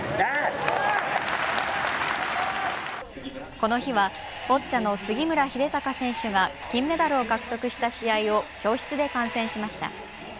この日はボッチャの杉村英孝選手が金メダルを獲得した試合を教室で観戦しました。